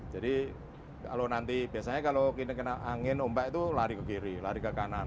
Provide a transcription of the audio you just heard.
jadi kalau nanti biasanya kalau kita kena angin ombak itu lari ke kiri lari ke kanan